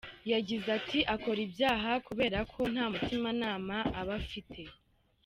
Yagize ati :"Akora ibyaha kubera ko nta mutimanama aba afite.